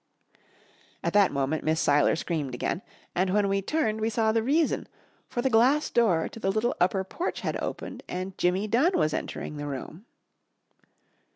At that moment Miss Seiler screamed again, and when we turned we saw the reason, for the glass door to the little upper porch had opened and Jimmy Dunn was entering the room.